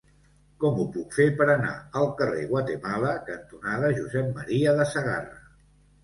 Com ho puc fer per anar al carrer Guatemala cantonada Josep M. de Sagarra?